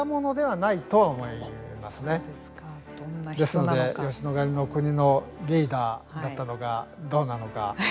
ですので、吉野ヶ里の国のリーダーだったのか、どうなのか。